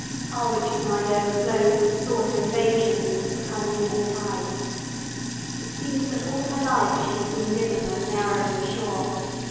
Our witch's mind overflowed with the thought of invasions and the coming in of tides. It seemed that all her life she had been living on a narrowing shore.